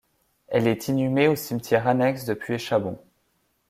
Elle est inhumée au cimetière annexe de Puéchabon.